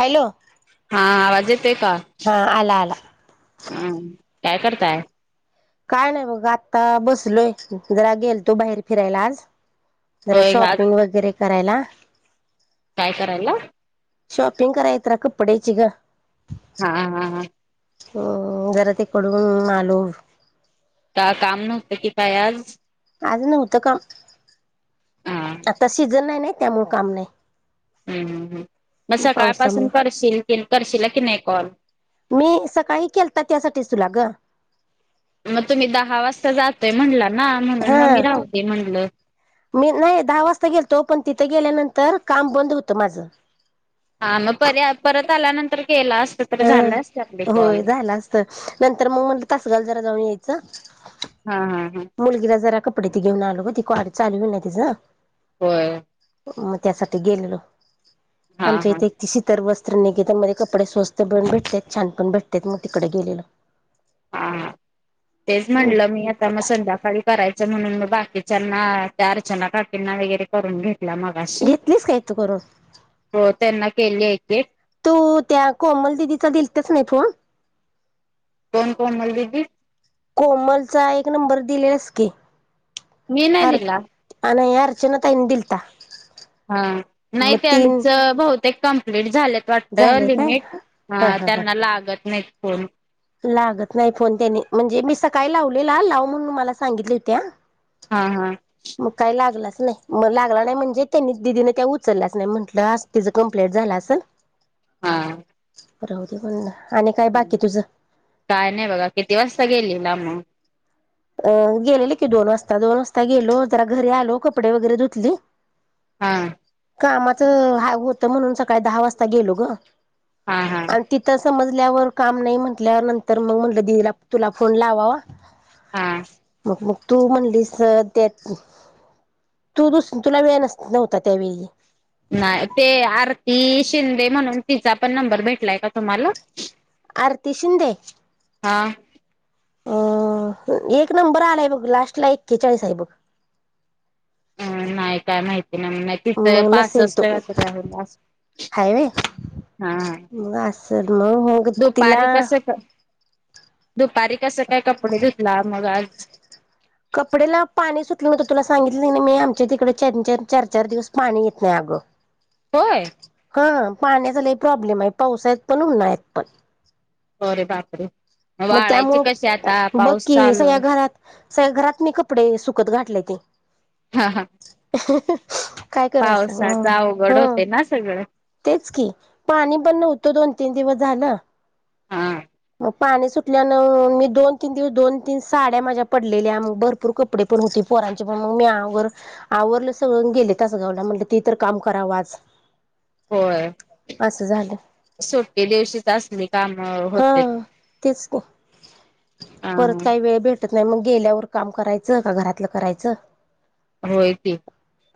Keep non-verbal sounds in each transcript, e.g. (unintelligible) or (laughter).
Hello! हा आवाज येतोय का? हा आला आला ह् काय करताय? काय नाही बघ आता बसलोय, जरा गेलतो बाहेर फिरायला आज. जरा होय आज शॉपिंग वगैरे करायला. काय करायला? शॉपिंग करायला जरा कपड्यांची गं. हा हा हा हम् जरा तिकडून आलो. का काम नव्हतं की काय आज? आज नव्हतं काम. हा आता सीझन नाही नाही त्यामुळे काम नाही. हम्म्, मग सकाळपासून पावसामुळे करशील क करशील की नाही कॉल? मी सकाळी केलता त्यासाठीचं तुला गं. मग तुम्ही दहा वाजता जातोय म्हणला ना, म्हणून मग मी हा राहुदे म्हणलं. मी नाही दहा वाजता गेलतो पणं तिथं गेल्यानंतर काम बंद होतं माझं. हा मग पर परत आल्यानंतर केला असत तर झालं असत आपले अं होय कॉल. झालं असतं, नंतर मगं म्हणलं तासगावला जरा जाऊन यायचं. हा हा हा मुलगीला जरा कपडे ते घेऊन आलो ते काॅलेज चालूय होईल ना तिझं. होय मग त्यासाठी गेलेलो, हा आमच्या हा इथे एक ती शितरवस्ती श्रीनिकितेन मध्ये कपडे स्वस्त पण भेटतात, छान पणं भेटतात मगं तिकडे गेलेलो. हा, तेच म्हटलं मी आता मग संध्याकाळी करायचं म्हणून मगं बाकीच्यांना, त्या अर्चना काकींना वगैरे करून घेत मगाशी घेतलीस काय तू करून हो त्यांना केली आहेे. तू त्या कोमल दिदीचा दिलतच नाही फोन कोण कोमल दिदि? कोमलचा एक नंबर दिलेलास की मी नाय दिला. अर्चनाताई नी दिलता. हा नाही मग तीन त्यांच बहतेक कंप्लीट झालं वाटत झाले काय लिमिट हा हा हा त्यांना लागत नाही फोन लागत नाही फोन त्याने म्हणजे मी सकाळी लावलेला लाव म्हणून मला सांगितले होत्या. हा हा मग काय लागलाच नाही म लागला नाही म्हणजे त्यांनी दिदीन त्या उचलल्याच नाही म्हटलं तिचं कंप्लेंट झाला अस हा आणि काय बाकी तुझं? काय नाही बघा, किती वाजता गेलीला मग? अं गेलेले की दोन वाजता दोन वाजता गेलो, जरा घरी आलो कपडे वगैरे धुतली हा कामाचं ह होत म्हणून सकाळी दहा वाजता गेलो ग हा हा आणि तिथं समज ल्यावर काम नाही म्हटल्यावर नंतर मग म्हटलं दिदीला तुला फोन लावावा. हा मग तू म्हणलीस त्या तू दुस तुला वेळ नस नव्हता त्यावेळी ती शिंदे म्हणून तिचा पण नंबर भेटलाय का तुम्हाला आरती शिंदे. हा अ एक नंबर आलाय बघ लास्ट ला एक्केचाळीस आहे बघ हम नाय काय माहित तिचं मग नसेल तो पासष्ट तरी आहे हायवे हा मग असं मग मग तिला दुपारी कसं दुपारी कसं काय कपडे धुतला मग आज कपडेला पाणी सुटलं होतं, तुला सांगितलं मी आमच्या तिकडे च चार चार चार दिवस पाणी येत नाही अ ग होय ह पाण्याचा लय प्रॉब्लेम आहे पावसाळ्यात पण उन्हाळ्यात पण अरे बापरे मग वाळायचे कसे त्यामुळे आता पाऊस बकी चालू सगळ्या घरात सगळ्या घरात मी कपडे सुक सुकत घातलंय ते हा हा काय करायचे अवघड हं होते ना सगळं तेच की पाणी पण नव्हतं दोन तीन दिवस झालं हा पाणी सुटल्यान मी दोन तीन दिवस दोन तीन साड्या माझ्या पडलेल्या मग भरपूर कपडे पण होते. पोरांचे पण मग मी आवर आवरलं सगळ गेले तासगावला म्हण त तर काम करावं आज होय असं झालं सुट्टी दिवशीच असली काम हा होते तेच की अ परत काही वेळ भेटतं नाही मग गेल्यावर काम करायचं का घरातलं करायचं. हो यती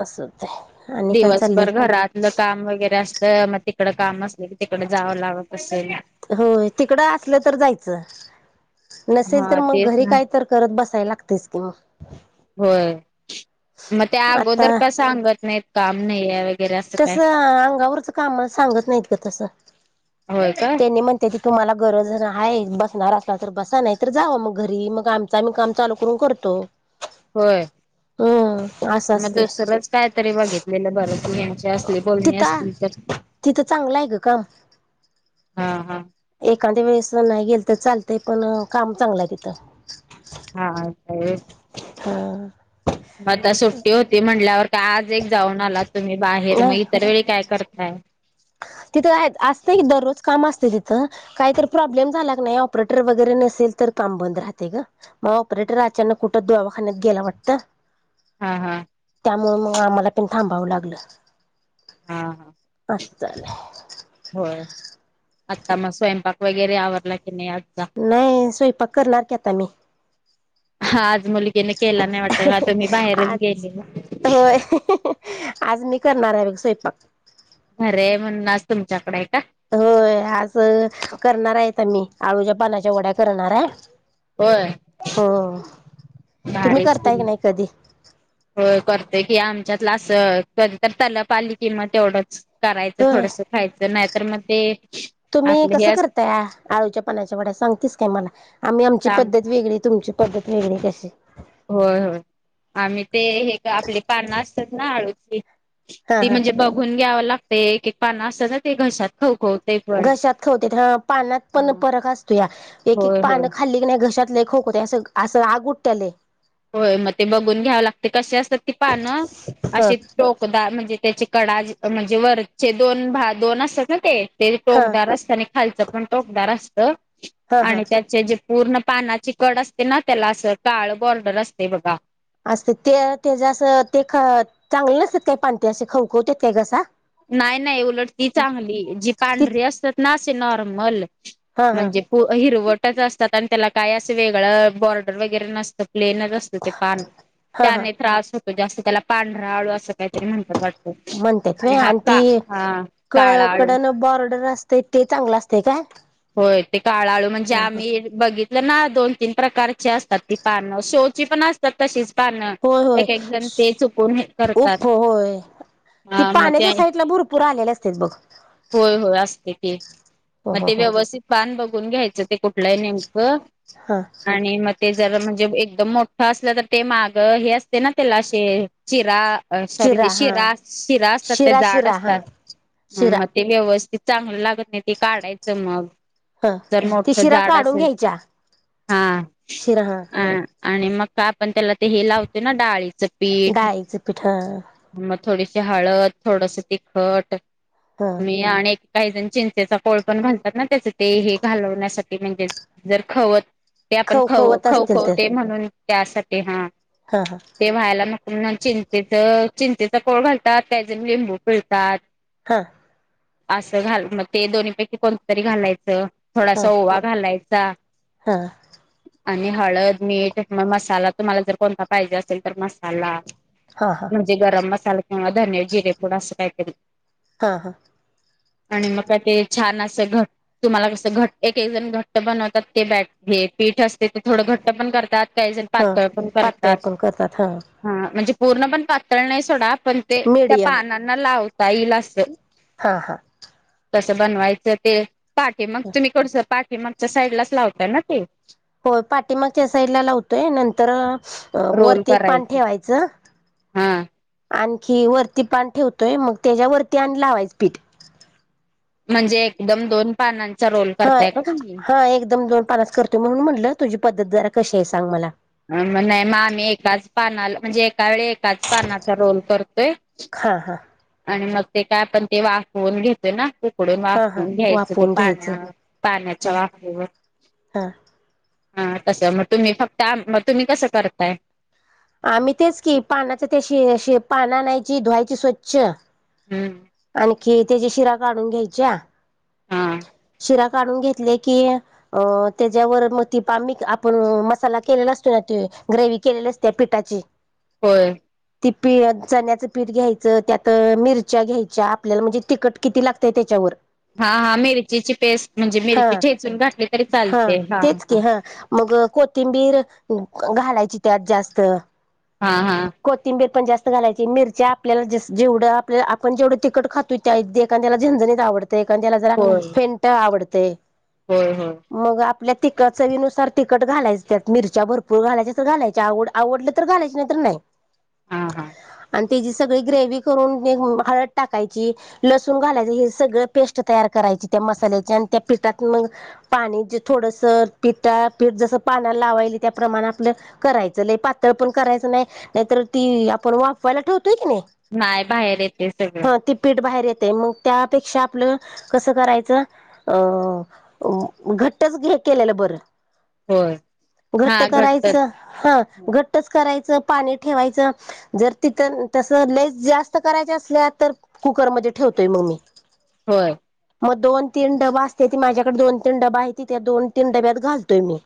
असं होतंय आणि काय दिवसभर चाललंय घरातलं काम वगैरे असत मग ते तिकड काम असले की तिकड जावं लागत असेल होय तिकडं असलं तर जायचं. नसेल तर हा मग तेच घरी ना काय तर करत बसाय लागतयच कि म. व्हय म ते आगोदर आता का सांगत नाहीत काम नाई हाय तस अंगावरच काम सांगत नाहीत ग तस. होय का त्यांनी म्हणत्यात कि तुम्हाला गरज हाय बसणार असला तर बसा नाही तर जावं मग घरी मग आमचा आम्ही काम चालू करून करतो. व्हय हम्म असं म असते दुसरच कायतरी बघितलेलं बरं कि हेंच्या अस सली बोलणी तिथं असली तर तिथं चांगलं आहे ग काम हा. हा एखाद्या वेळेस नाही गेलं तर चालतय पण काम चांगलं हाय तिथं. हा आता ह्या हा आता सुट्टी होती म्हणल्यावर त्या आज एक जाऊन आला तुम्ही बाहेर म नाही इतर वेळी काय करताय? तिथं हैत असत की दररोज काम असतय तिथं काय तर प्रॉब्लेम झाला कने ऑपरेटर वगैरे न नसेल तर काम बंद राहतय ग म ऑपरेटर अचानक कुठ दवाखान्यात गेला वाटतं हा हा. त्यामुळ म आम्हाला पण थांबावं लागलं हा हा अस. चाले. होय. आता म स्वयंपाक वगैरे आवरलाय. नाही स्वयपाक करणारकी आता मी. हा आज मुलगीन केला नाही वाटत नाही तर मी बाहेरच आ गेलेले. होय आज मी करणार हाय बघ स्वयंपाक. अरे म्हणून आज तुमच्याकडे हाय का. होय आज करणार हैत आम्ही आळूच्या पानाच्या वड्या करणार हाय. होय हो तुम्ही करताय का नाई कधी. व्हय करते कि आमच्यातला असं कधी तर तलप आली किं म तेवढंच. करायचं होय. थोडस खायचं नाहीतर म ते तुम्ही आपलं कसं हे करताय आ आळूच्या पानाच्या वड्या सांगतीस काय मला आम्ही आमची सांग पद्धत वेगळी तुमची (unintelligible) कशी. होय होय. आम्ही ते हे क आपली पानं असतात ना आळूची हा ती हा म्हणजे बघून घ्याव लाग ते एक एक पानं असतात ना ते घशात खवखवते पण घशात खावते हा पानात पण परक असतोया एक एक होय होय पानं खाल्ली कीने घशात लय खवखवतय अस असं आग उटत्या लय. होय म ते बघून घ्यावं लागते कशी असतात ती पानं ह असशी टोकदाार म्हणजे त्याची कडा जे म्हणजे वरचे दोन भा दोन असत्यात ना ते. ते हा टोकदार असतं आणि खालचं पण टोकदार असत हा हा आणि त्याचे जे पूर्ण पानाची कड असते ना त्याला असं काळ बॉर्डर असतय बघा. असत्यात ते तेज असं ते ख चांगले नसत्यात काय पानं ते असे खवखवत्यात काय घसा. नाई नाई उलट ती चांगली जी ती पांढरी असत्यात ना असे नॉर्मल. हा हा म्हणजे पो हिरवटच असतात आणि त्याला काय असं वेगळं बॉर्डर वगैरे नसतं. प्लेनच असतो ते पान हा हा त्याने त्रास होतो जास्त त्याला पांढरा आळू असं काहीतरी म्हणतात वाट क आणि ती क काळा आळू कडन बॉर्डर असतय ते चांगलं असतय काय? होय ते काळ आळू म्हणजे ह ह आम्ही बघित लना दोन तीन प्रकारची असतात ती पानं शोची पण असतात तशीच पानं होय होय एक एक जण ते चुकवून हे करतात. उफ होय ती हा म ते पाण्याच्या आहे साईडला भरपूर आलेले असतेच बघ होय होय असते ते हो म हो ते हो व्यवस्थित पान बघून घ्यायचं. ते कुठल्हाय नेमकं हा आणि म ते जरा म्हणजे एकदम मोठ ठ असलं तर ते माग हे असते ना त्याला अशे चिरा अ सॉरी चिरा ते हा शिरा शिरा असतात त्या शिरा जाड शिरा हा असतात शिरा म ते व्यवस्थित चांगलं लागत नाही ते काढायचं मग हा जर ती मोठ शिरा जाड काढून असेल घ्यायच्या हा शिरा हा अ आणि मग का आपण त्याला ते हे लावते ना डाळीच डाळीचे पीठ ह थोडीशी हळद थोडस तिखट हा मी आणि काही जण चिंचेचा कोळ कोळ पण घालतात ना त्याच ते हे घालवण्यासाठी म्हणजे जर खवत ते आपण ख खवखवत खव असतील तर खवतंय म्हणून त्यासाठी हा हा ते व्हायला नको म्हणून चिंचेचं चिंचेचं कोळ घालतात त्याच्यात लिंबू पिळतात हा असं घाल मग ते दोन्हीपैकी कोणतं तरी घालायचं हा हा थोडासा ओवा घालायचा हा आणि हळद मीठ मग मसाला तुम्हाला जर कोणता पाहिजे असेल तर मसाला हा हा म्हणजे गरम मसाला किंवा धने जिरेपूड असं काय तरी हा हा आणि मग का ते छान असं घट तुम्हाला कसं घट एक एक जण घट्ट बनवतात ते बॅट घेत पीठ असतंय थोडं घट्ट पण करतात काही जण हा पातळ पण पातळ करतात पण करतात हा म्हणजे पूर्ण पण पातळ नाही सोडा पण ते त्या मीडियम पानांना लावत लावता येईल असं हा हा तसं बनवायचं ते पाठी मग तुम्ही कसं पाठीेमगच्या साईडलाच लावताय ना ते हो पाठीमागच्या साईडला लावतोय नंतर अ रोल वरती एक पान करायचं ठेवायचं हा आणि ही वरती पान ठेवतोय मग त्याच्या वरती आणि लावायचं पीठ म्हणजे एकदम दोन पानांचा रोल हा करताय का तुम्ही हा एकदम दोन पानांच करतोय म्हणून म्हटलं तुझी पद्धत जरा कशी आहे सांग मला म नाही मग आम्ही एकाच पानाला म्हणजे एका वेळी एक एकाच पानाचा रोल करतोय हा हा आणि मग ते काय पण ते वाफवून घेतोय ना पुढे हा हा वाफवून घ्यायचं ते वाफवून घ्यायचं पान पाण्याच्या हा वाफेवर हा हा तसं मग तुम्ही फक्त म तुम्ही कसं करताय आम्ही तेच की पानाचा त्याशी पानंआणायची धुवायची स्वच्छ हम्म आणखी त्याची शिरा काढून घ्यायच्या हा शिरा काढून घेतल्या की त्याच्यावर मग ती मसाला केलेला असतोय ना ते ग्रेव्ही केलेली असत्या पिठाची होय ती पी चण्याचं पीठ घ्यायचं त्यात मिरच्या घ्यायच्या आपल्याला म्हणजे तिखट किती लागतंय त्याच्यावर हा हा मिरचीची पेस्ट म्हणजे हा मिरची ठेचून घातली तरी चालते हा तेच हा की मग कोथिंबीर घालायची त्यात जास्त हा हा कोथिंबीर पण जास्त घालायची मिरच्या आपल्याला जेवढ आप आपण जेवढं तिकट खातो एख त्याला झणझणीत आपल्याला आवडत एखाद्याला जरा होय फेंट आवडतंय होय हो मग आपल्या तिखट चवीनुसार तिखट घालायच त्यात मिरच्या भरपूर घालायच्या तश्या घालायच्या आवड आवडलं तर घालायच नाही तर नाही हा हा आणि त्याची सगळी ग्रेव्ही करून हळद टाकायची लसूण घालायच हे सगळं पेस्ट तयार करायची (unintelligible) त्याप्रमाणे आपल करायच लय पातळ पण करायचं नाही नाहीतर ती आपण वाफव्हायला ठेवतो ठेवतोय कणी नाही बाहेर येते सगळं हा ती पीठ बाहेर येत येतय मग त्यापेक्षा आपल कस करायच अ अ घट्टच करायचं केलेलं बरं होय घट्ट हा घटतच करायचं हा घट्टच करायचं पाणी ठेवायच जर तिथ तस लय जास्त करायच्या असल्या तर कुकर मध्ये ठेवून होते मग मी होय मग दोन तीन डबा असते ती माझ्याकडे दोन तीन डबा आहे त त्या दोन तीन डब्यात घालतोय मी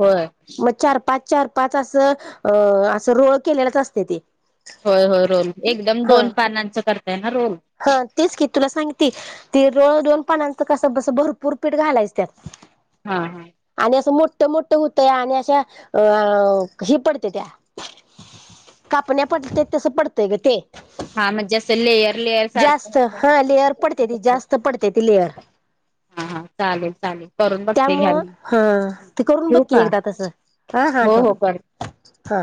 होर मग चार पाच चार पाच असं अ असं रोळ केलेलंच असते ते होय होय रोल एकदम हा दोन पानांचं करताय ना रोल ती र दोन पानांचं कस बस भरपूर पीठ घालायच त्या हा हा कस मोठं मोठं होतय आणि अशा अ कशी पडते त्या कापण्या पडत तसं पडतंय ग ते हा म्हणजे असं लेयर लेयर सारखं जास्त व्हायचं हा लेअर पडते ती असेल. जास्त पडते ती लेअर हा हा चालेल चालेल करून बघते घ्या त्यामुळं मी. हा ते करून ठेवू बघकी का? एकदा तस हो हो कर हां